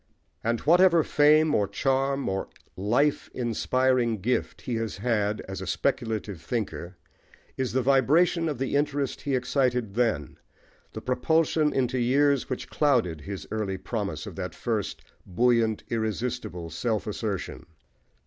And whatever fame, or charm, or life inspiring gift he has had as a speculative thinker, is the vibration of the interest he excited then, the propulsion into years which clouded his early promise of that first buoyant, irresistible, self assertion.